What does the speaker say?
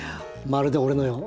まるで俺のよう。